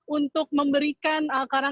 untuk memberikan penghormatan terakhir